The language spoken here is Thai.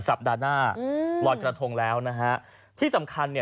สัปดาห์หน้าอืมลอยกระทงแล้วนะฮะที่สำคัญเนี่ย